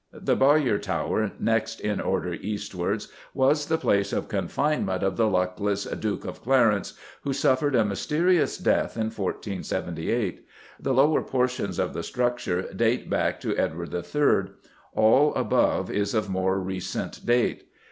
The Bowyer Tower, next in order eastwards, was the place of confinement of the luckless Duke of Clarence, who suffered a mysterious death in 1478. The lower portions of the structure date back to Edward III.; all above is of more recent date.